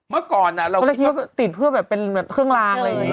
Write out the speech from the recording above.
เมื่อก่อนเราคิดว่าติดเพื่อเป็นเครื่องลาง